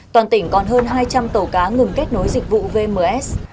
toàn tỉnh còn hơn hai trăm linh tàu cá ngừng kết nối dịch vụ vms